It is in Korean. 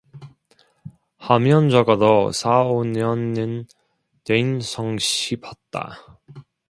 하면 적어도 사오 년은 된 성싶었다.